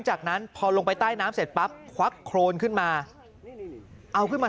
จากนั้นพอลงไปใต้น้ำเสร็จปั๊บควักโครนขึ้นมาเอาขึ้นมา